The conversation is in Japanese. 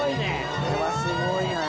これはすごいなあ。